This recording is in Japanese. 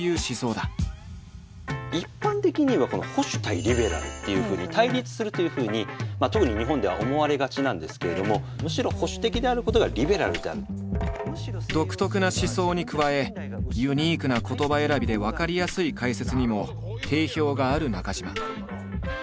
一般的に言えばこの「保守対リベラル」っていうふうに対立するというふうに特に日本では思われがちなんですけれどもむしろ独特な思想に加えユニークな言葉選びで分かりやすい解説にも定評がある中島。